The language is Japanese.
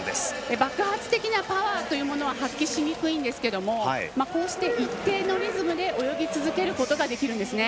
爆発的なパワーというのは発揮しにくいんですがこうして一定のリズムで泳ぎ続けることができるんです。